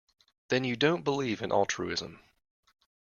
Then you don't believe in altruism.